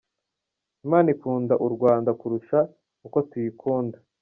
Imana ikunda u Rwanda kurusha uko tuyikunda.